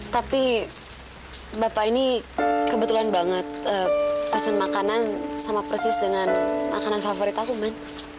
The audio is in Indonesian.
tapi bapak ini kebetulan banget pesan makanan sama persis dengan makanan favorit aku kan